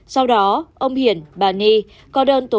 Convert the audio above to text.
sau đó ông hiền bà ni có đơn tố dự